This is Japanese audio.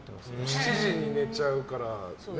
７時に寝ちゃうからね。